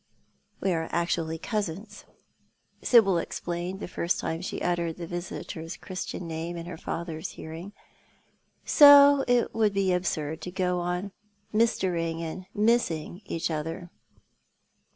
" We are actually cousins," Sibyl explained, the first time she uttered the visitor's Christian name in her father's hearing, "so it would be absurd to go on mistering and missing each other."